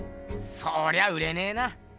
そりゃ売れねえな。